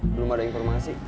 belum ada informasi